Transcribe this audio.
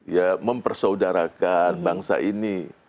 ya mempersaudarakan bangsa ini